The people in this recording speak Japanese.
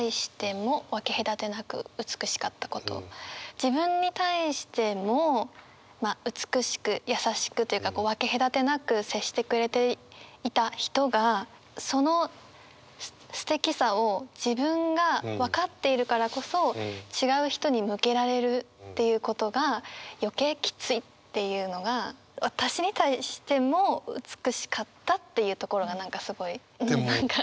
え自分に対してもまあ美しく優しくというか分け隔てなく接してくれていた人がそのすてきさを自分が分かっているからこそ違う人に向けられるっていうことが余計きついっていうのが私に対しても美しかったっていうところが何かすごい何か。